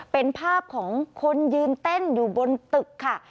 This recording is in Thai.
เป็นภาพของคนยืนเต้นอยู่บนตึกค่ะ